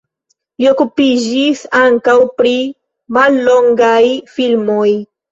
Li okupiĝis ankaŭ pri mallongaj filmoj.